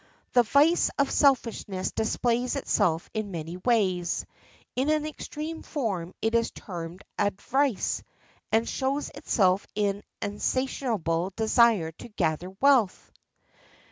The vice of selfishness displays itself in many ways. In an extreme form it is termed avarice, and shows itself in an insatiable desire to gather wealth.